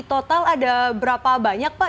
total ada berapa banyak pak